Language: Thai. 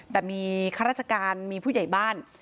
แต่มีข้าราชการมีผู้ใหญ่บ้าน